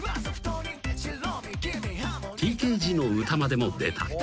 ［『ＴＫＧの歌』までも出た］